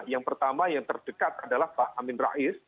yang pertama yang terdekat adalah pak amin rais